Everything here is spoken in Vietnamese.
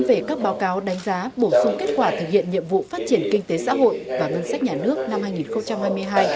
về các báo cáo đánh giá bổ sung kết quả thực hiện nhiệm vụ phát triển kinh tế xã hội và ngân sách nhà nước năm hai nghìn hai mươi hai